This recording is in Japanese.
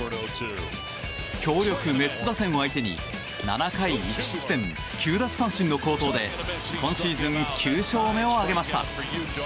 強力メッツ打線を相手に７回１失点９奪三振の好投で、今シーズン９勝目を挙げました。